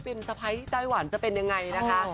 สะพ้ายที่ไต้หวันจะเป็นยังไงนะคะ